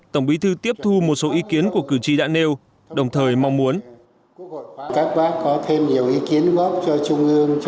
tổng bí thư tiếp thu một số ý kiến của cử tri đã nêu đồng thời mong muốn